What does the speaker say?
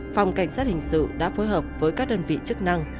phòng cảnh sát hình sự đã phối hợp với các đơn vị chức năng